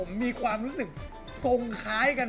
จีบตัวเลยครับ